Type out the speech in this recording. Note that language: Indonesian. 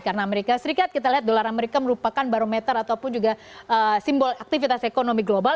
karena as kita lihat dolar as merupakan barometer ataupun juga simbol aktivitas ekonomi global